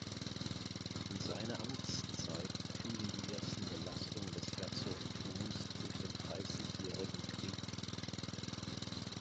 In seine Amtszeit fielen die ersten Belastungen des Herzogtums durch den Dreißigjährigen Krieg.